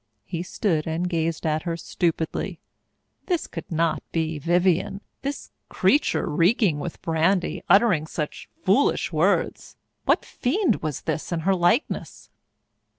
He stood and gazed at her stupidly. This could not be Vivienne, this creature reeking with brandy, uttering such foolish words! What fiend was this in her likeness?